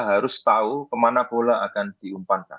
harus tahu kemana bola akan diumumkan